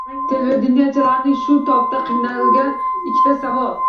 Televideniyechilarni shu topda qiynagan ikkita savol